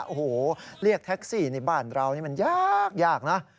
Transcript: โอ้โหเรียกแท็กซี่ในบ้านเรานี่มันยากยากนะ